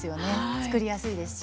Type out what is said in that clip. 作りやすいですし。